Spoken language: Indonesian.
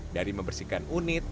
dari membersihkan unit